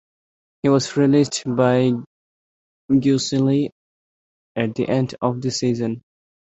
He was released by Guiseley at the end of the season.